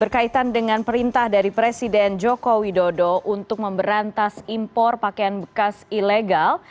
berkaitan dengan perintah dari presiden joko widodo untuk memberantas impor pakaian bekas ilegal